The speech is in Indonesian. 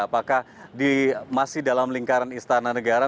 apakah masih dalam lingkaran istana negara